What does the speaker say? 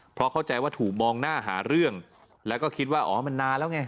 เพราะเข้าใจว่าถูกมองหน้าหาเรื่องแล้วก็คิดว่าอ๋อมันนานแล้วไง